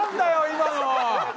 今の！